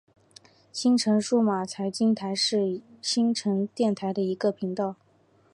新城数码财经台是新城电台的一个频道。